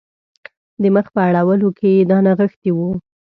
د مخ په اړولو کې یې دا نغښتي وو.